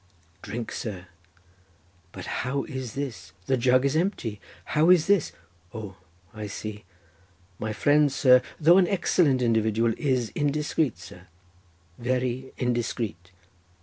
Drink sir! but how is this? the jug is empty—how is this?—O, I see—my friend, sir, though an excellent individual, is indiscreet, sir—very indiscreet.